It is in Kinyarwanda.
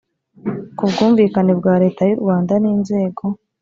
ku bwumvikane bwa leta y u rwanda n’inzego